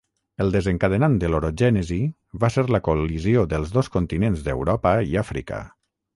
El desencadenant de l'orogènesi va ser la col·lisió dels dos continents d'Europa i Àfrica.